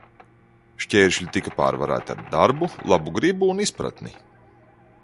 Šķēršļi tika pārvarēti ar darbu, labu gribu un izpratni.